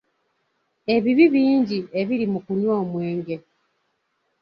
Ebibi bingi ebiri mu kunywa omwenge.